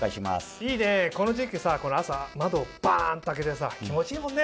いいねぇこの時期朝窓をバンと開けてさ気持ちいいもんね。